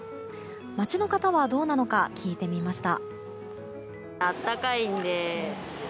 街の方はどうなのか聞いてみました。